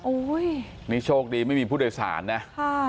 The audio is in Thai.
โอ้ยนี่โชคดีไม่มีผู้โดยสารนะค่ะ